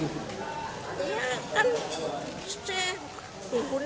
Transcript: ini orang kan ke surau orang malah malah kesini